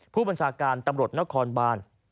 ผู้บัญชาการตำรวจนครบาน